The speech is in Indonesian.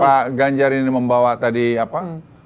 kalau tadi pak ganjar ini membawa tadi apa